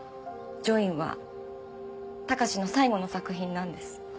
『ジョイン』は隆の最後の作品なんです。